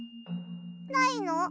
ないの？